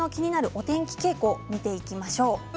お天気傾向を見ていきましょう。